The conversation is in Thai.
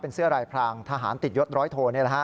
เป็นเสื้อลายพรางทหารติดยดร้อยโทนี่แหละฮะ